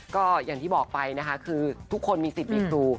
ก็อย่างที่บอกไปนะคะคือทุกคนมีสิทธิ์มีครู